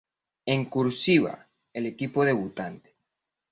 En "cursiva" el equipo debutante.